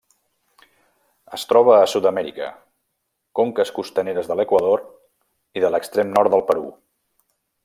Es troba a Sud-amèrica: conques costaneres de l'Equador i de l'extrem nord del Perú.